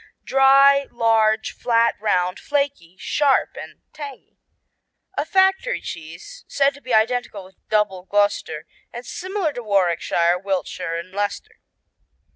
Dry, large, flat, round, flaky, sharp and tangy. A factory cheese said to be identical with Double Gloucester and similar to Warwickshire, Wiltshire and Leicester.